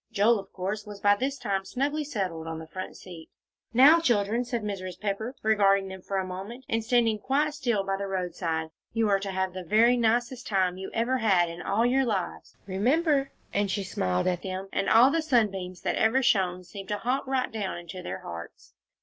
Joel, of course, was by this time snugly settled on the front seat. "Now, children," said Mrs. Pepper, regarding them for a moment, and standing quite still by the roadside, "you are to have the very nicest time you ever had in all your lives. Remember!" and she smiled at them, and all the sunbeams that ever shone seemed to hop right down into their hearts.